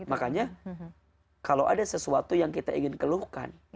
makanya kalau ada sesuatu yang kita ingin keluhkan